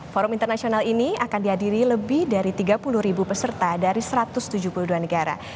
forum internasional ini akan dihadiri lebih dari tiga puluh ribu peserta dari satu ratus tujuh puluh dua negara